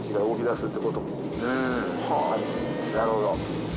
なるほど。